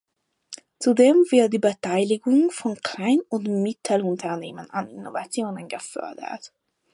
Zudem wird die Beteiligung von Klein- und Mittelunternehmen an Innovationen gefördert.